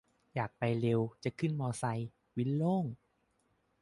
อยากไปเร็ว จะขึ้นมอไซค์ วินโล่ง